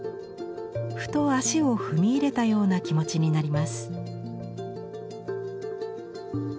ふと足を踏み入れたような気持ちになります。